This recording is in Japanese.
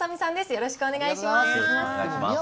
よろしくお願いします。